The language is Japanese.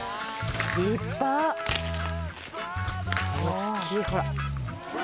大っきいほら。